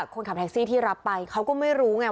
คนขับแท็กซี่ที่รับไปเขาก็ไม่รู้ไง